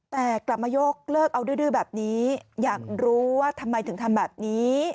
แต่กลับมายกเลิกเอาดื้อแบบนี้อยากรู้ว่าทำไมถึงทำแบบนี้